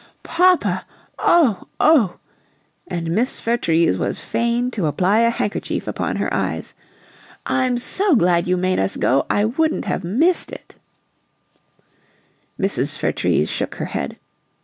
"Papa! Oh, oh!" And Miss Vertrees was fain to apply a handkerchief upon her eyes. "I'm SO glad you made us go! I wouldn't have missed it " Mrs. Vertrees shook her head.